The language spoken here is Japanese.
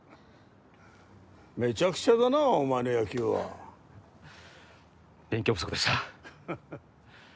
めちゃくちゃだなお前の野球は勉強不足でしたハハハッ